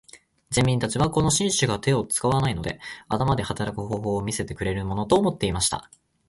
人民たちはこの紳士が手を使わないで頭で働く方法を見せてくれるものと思っていました。